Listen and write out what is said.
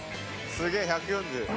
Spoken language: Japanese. すげー、１４０。